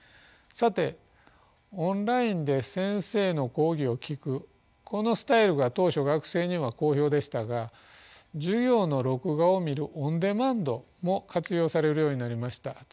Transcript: さてオンラインで先生の講義を聞くこのスタイルが当初学生には好評でしたが授業の録画を見るオンデマンドも活用されるようになりました。